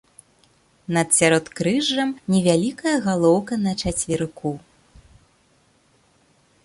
Над сяродкрыжжам невялікая галоўка на чацверыку.